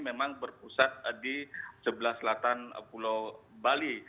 memang berpusat di sebelah selatan pulau bali